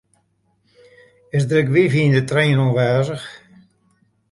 Is der ek wifi yn de trein oanwêzich?